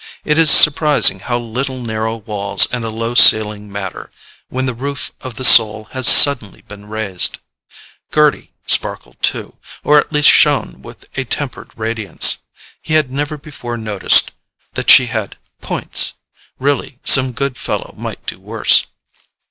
It is surprising how little narrow walls and a low ceiling matter, when the roof of the soul has suddenly been raised. Gerty sparkled too; or at least shone with a tempered radiance. He had never before noticed that she had "points"—really, some good fellow might do worse....